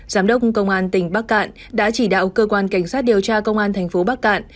giám đốc công an tỉnh bắc cạn đã chỉ đạo cơ quan cảnh sát điều tra công an thành phố bắc cạn